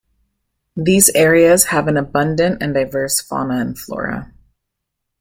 These areas have an abundant and diverse fauna and flora.